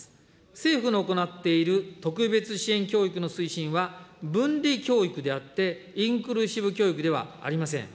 政府の行っている特別支援教育の推進は分離教育であって、インクルーシブ教育ではありません。